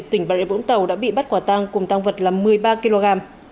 tỉnh bà rịa vũng tàu đã bị bắt quả tăng cùng tăng vật là một mươi ba kg